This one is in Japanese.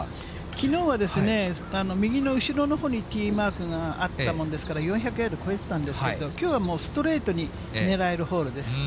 きのうは右の後ろのほうにティーマークがあったもんですから、４００ヤード超えてたんですけど、きょうはもうストレートに狙えるホールです。